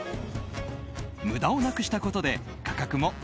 無駄をなくしたことで価格も１５０円。